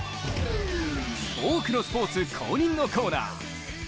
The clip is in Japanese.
多くのスポーツ公認のコーナー。